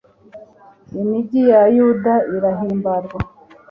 imigi ya yuda irahimbarwa